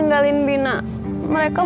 eh saya belum makan